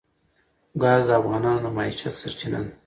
ګاز د افغانانو د معیشت سرچینه ده.